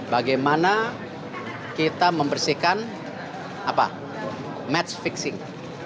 bagaimana kita membersihkan match fixing